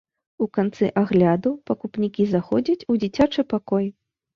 У канцы агляду пакупнікі заходзяць у дзіцячы пакой.